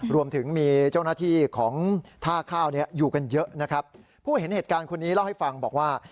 รวมถึงมีเจ้าหน้าที่ของท่าข้าวเนี่ยอยู่กันเยอะนะครับผู้เห็นเหตุการณ์คนนี้เล่าให้ฟังบอกว่า